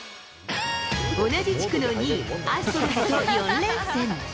同じ地区の２位・アストロズと４連戦。